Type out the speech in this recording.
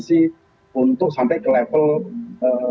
nah inilah yang kemudian ke depan harus ada ya transparan